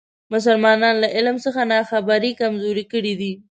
مسلمانان له علم څخه ناخبري کمزوري کړي دي.